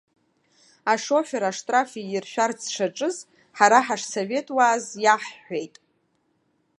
Ашофер аштраф ииршәарц дшаҿыз, ҳара ҳашсовет уааз иаҳҳәеит.